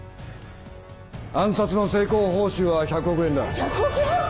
暗殺の成功報酬は１００億円だ１００億円！？